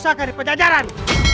sangat ke sundaan